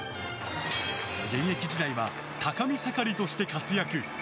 現役時代は高見盛として活躍。